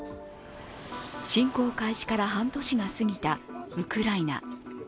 侵攻開始から半年が過ぎたウクライナ。